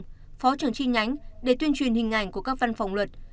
phó trưởng tri nhánh để tuyên truyền hình ảnh của các văn phòng luật